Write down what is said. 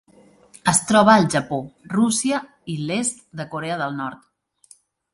Es troba al Japó, Rússia i l'est de Corea del Nord.